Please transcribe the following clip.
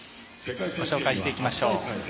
ご紹介していきましょう。